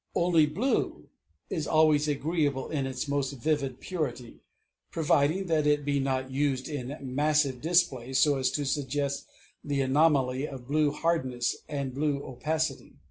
Only blue is always agreeable in its most vivid purity providing that it be not used in massive displays so as to suggest the anomaly of blue hardness and blue opacity.